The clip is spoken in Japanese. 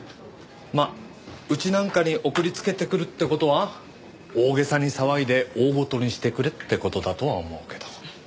まあうちなんかに送りつけてくるって事は大げさに騒いで大ごとにしてくれって事だとは思うけど。